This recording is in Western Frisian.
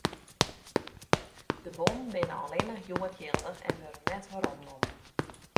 De bonnen binne allinnich hjoed jildich en wurde net weromnommen.